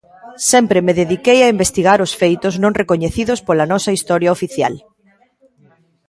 Sempre me dediquei a investigar os feitos non recoñecidos pola nosa historia oficial.